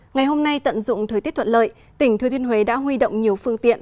ngày hôm nay tận dụng thời tiết thuận lợi tỉnh thừa thiên huế đã huy động nhiều phương tiện